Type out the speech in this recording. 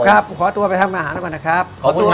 ครับขอตัวไปทำอาหารละก่อนนะครับ